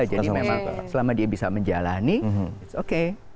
jadi memang selama dia bisa menjalani itu oke